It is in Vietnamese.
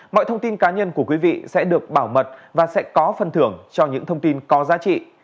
mọi thông tin cá nhân của quý vị sẽ được bảo mật và sẽ có phần thưởng cho những thông tin có giá trị